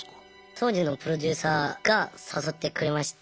当時のプロデューサーが誘ってくれまして。